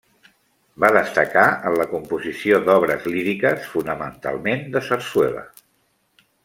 Va destacar en la composició d'obres líriques, fonamentalment de sarsuela.